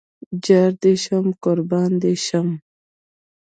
جار دې شم قربان دې شم